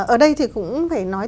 ở đây thì cũng phải nói